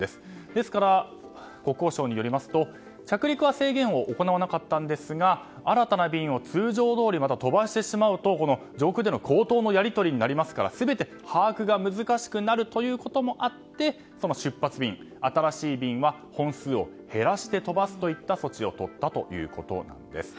ですから、国交省によりますと着陸は制限を行わなかったんですが新たな便を通常どおり飛ばしてしまうと上空での口頭のやり取りになりますから全て把握が難しくなることもあって出発便、新しい便は本数を減らして飛ばすといった措置をとったということなんです。